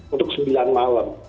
untuk sembilan malam